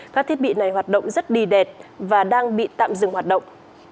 các thiết bị này hoạt động rất đi đẹp và đang bị tạm dừng hoạt động